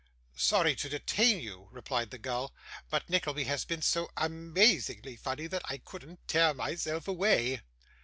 'Sorry to detain you,' replied the gull; 'but Nickleby has been so ama azingly funny that I couldn't tear myself away.